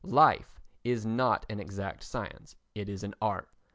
Life is not an exact science, it is an art.